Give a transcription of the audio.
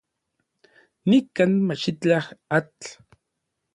Nikan machitlaj atl.